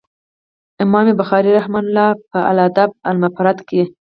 امام بخاري رحمه الله په الأدب المفرد کي